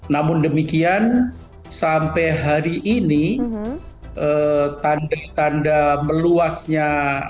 namun demikian sampai hari ini tanda tanda meluasnya